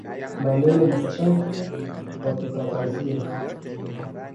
Una maneno machafu watupakazia.